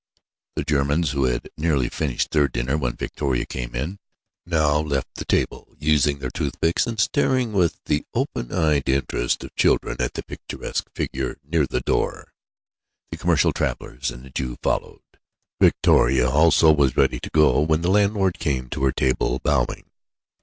The Germans, who had nearly finished their dinner when Victoria came in, now left the table, using their toothpicks and staring with the open eyed interest of children at the picturesque figure near the door. The commercial travellers and the Jew followed. Victoria also was ready to go, when the landlord came to her table, bowing.